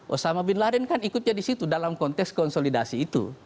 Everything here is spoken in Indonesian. osama bin laden kan ikutnya di situ dalam konteks konsolidasi itu